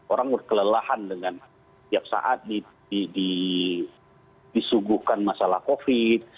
orang berkelelahan dengan tiap saat disuguhkan masalah covid